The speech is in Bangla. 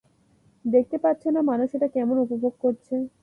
দেখতে পাচ্ছো না, মানুষ এটা কেমন উপভোগ করছে?